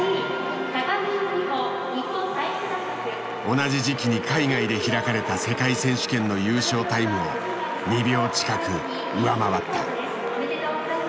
同じ時期に海外で開かれた「世界選手権」の優勝タイムを２秒近く上回った。